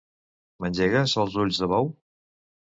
M'engegues els ulls de bou?